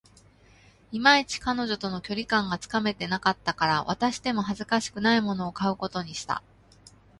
いまいち、彼女との距離感がつかめていなかったから、渡しても恥ずかしくないものを買うことにした